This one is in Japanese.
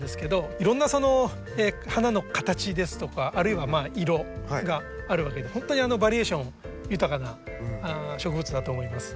いろんな花の形ですとかあるいは色があるわけで本当にバリエーション豊かな植物だと思います。